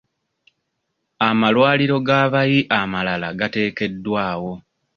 Amalwaliro g'abayi amalala gateekeddwawo.